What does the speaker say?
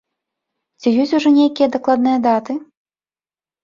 Ці ёсць ужо нейкія дакладныя даты?